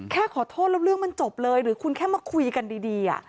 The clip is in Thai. ขอโทษแล้วเรื่องมันจบเลยหรือคุณแค่มาคุยกันดี